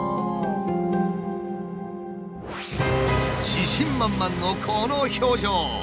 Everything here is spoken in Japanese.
自信満々のこの表情。